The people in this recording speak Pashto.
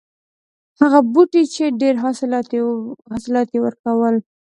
هغه بوټی چې ډېر حاصلات یې ورکول.